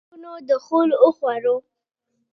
پاسپورټونو دخول وخوړه.